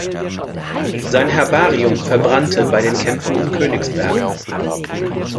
Sein Herbarium verbrannte bei den Kämpfen um Königsberg.